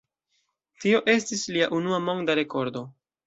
Tio estis lia unua monda rekordo.